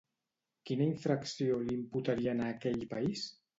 Quina infracció l'imputarien a aquell país?